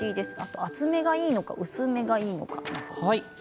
厚めがいいのか、薄めがいいのか。